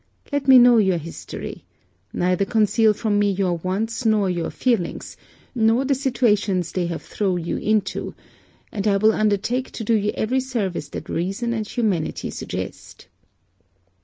Let me know your history. Neither conceal from me your wants nor your feelings, nor the situations they have throw you into; and I will undertake to do you every service that reason and humanity suggest.'